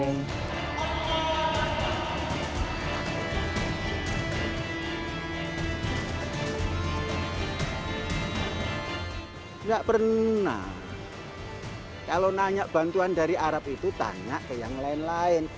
enggak pernah kalau nanya bantuan dari arab itu tanya ke yang lain lain